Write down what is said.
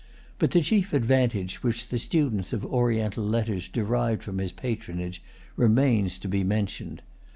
But the chief advantage which the students of Oriental letters derived from his patronage remains to be mentioned.